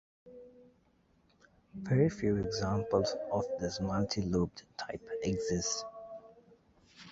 Very few examples of this multilobed type exist.